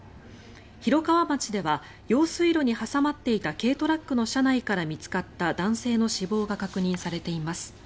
広川町では用水路に挟まっていた軽トラックの車内から見つかった男性の死亡が確認されています。